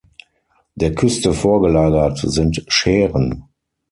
Der Küste vorgelagert sind Schären.